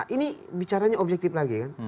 ini bicaranya objektif lagi kan